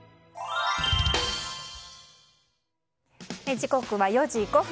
時刻は４時５分。